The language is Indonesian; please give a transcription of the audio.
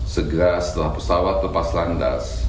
segera setelah pesawat lepas landas